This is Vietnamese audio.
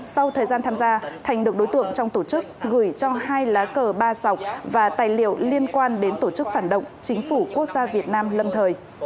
sau thời gian tham gia thành được đối tượng trong tổ chức gửi cho hai lá cờ ba sọc và tài liệu liên quan đến tổ chức phản động chính phủ quốc gia việt nam lâm thời